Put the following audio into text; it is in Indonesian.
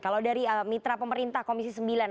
oke oke kalau dari mitra pemerintah komisi sembilan